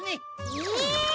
え？